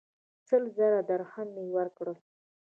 سل زره درهمه یې ورکړل.